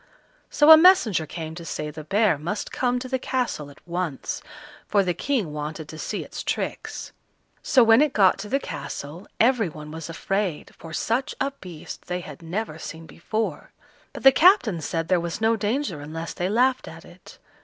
So a messenger came to say the bear must come to the castle at once, for the King wanted to see its tricks. So when it got to the castle every one was afraid, for such a beast they had never seen before; but the captain said there was no danger unless they laughed at it.